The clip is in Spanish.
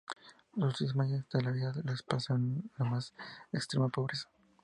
Sus últimos años de vida los pasó en la más extrema pobreza.